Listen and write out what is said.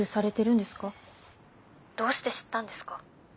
☎どうして知ったんですか？